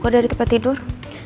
kok ada di tempat tidur